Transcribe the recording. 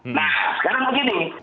nah sekarang begini